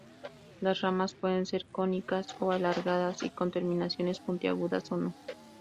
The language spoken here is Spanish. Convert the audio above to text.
Las ramas pueden ser cónicas o alargadas, y con terminaciones puntiagudas o no.